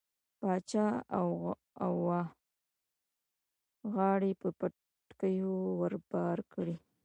باچا اوه غاړۍ په بتکيو ور بار کړې.